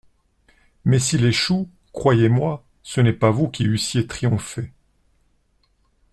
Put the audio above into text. Mais s'il échoue, croyez-moi, ce n'est pas vous qui eussiez triomphé.